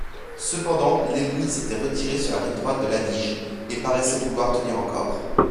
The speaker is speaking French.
Cependant l'ennemi s'était retiré sur la rive droite de l'Adige, et paraissait vouloir tenir encore.